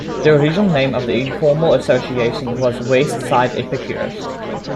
The original name of the informal association was West Side Epicures.